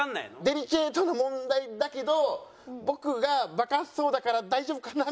デリケートな問題だけど僕がバカそうだから大丈夫かな？